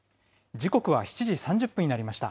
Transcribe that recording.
時刻は７時３０分になりました。